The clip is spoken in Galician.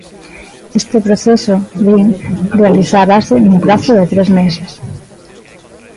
Este proceso, din, realizarase "nun prazo de tres meses".